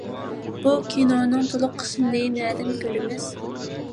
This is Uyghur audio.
بۇ كىنونىڭ تولۇق قىسمىنى نەدىن كۆرىمىز؟